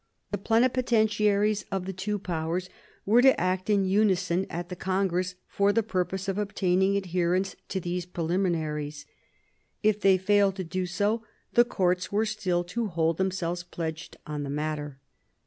The plenipotentiaries of the two Powers were to act in unison at the congress for the purpose of obtaining adherence to these preliminaries. If they failed to do so, the courts were still to hold themselves pledged on the matter.